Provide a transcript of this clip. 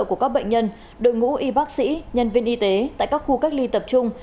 của các bệnh nhân đội ngũ y bác sĩ nhân viên y tế tại các khu cách ly tập trung